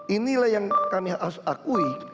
inilah yang kami harus akui